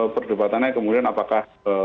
perdebatannya kemudian apakah